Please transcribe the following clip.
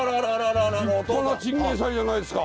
立派なチンゲンサイじゃないですか。